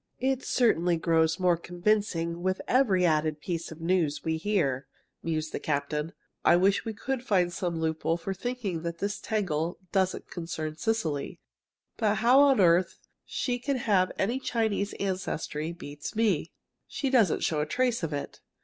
"It certainly grows more convincing with every added piece of news we hear," mused the captain. "I wish we could find some loophole for thinking that this tangle doesn't concern Cecily. But how on earth she can have any Chinese ancestry, beats me. She doesn't show a trace of it.